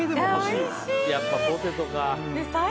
やっぱポテトか。